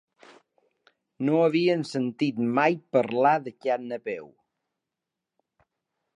No havien sentit mai parlar de cap Napeu.